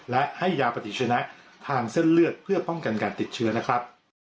และให้ยาปฏิชนะทางเส้นเลือดเพื่อป้องกันการติดเชื้อนะครับ